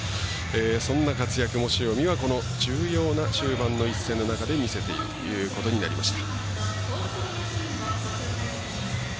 そんな活躍も塩見はこの重要な場面で見せているということになりました。